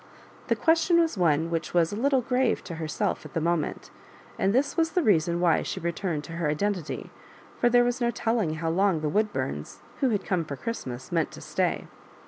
The question was one which was a little grave to herself at the moment; and this was the reason why she returned to her identity — for there was no telling how long the Woodbums, who had come for Christmas, meant to stay.